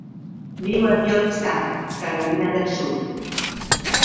Viu a Georgetown, Carolina del Sud.